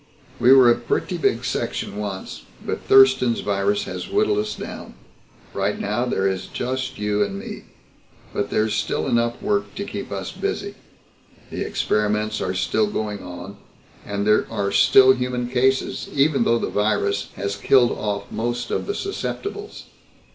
We were a pretty big section once, but Thurston's virus has whittled us down. Right now there is just you and me. But there's still enough work to keep us busy. The experiments are still going on, and there are still human cases, even though the virus has killed off most of the susceptibles.